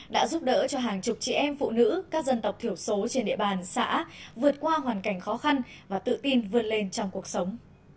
đã giúp đỡ cho hàng chục chị em phụ nữ các dân tộc thiểu số trên địa bàn xã vượt qua hoàn cảnh khó khăn và tự tin vượt lên trong cuộc sống